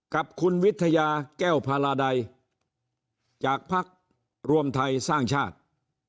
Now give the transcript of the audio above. กับคุณวิทยาแก้วพาราใดจากภักดิ์รวมไทยสร้างชาติ